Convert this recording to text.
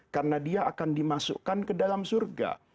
karena dia akan dimasukkan ke dalam surga